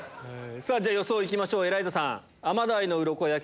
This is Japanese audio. さぁ予想行きましょうエライザさん。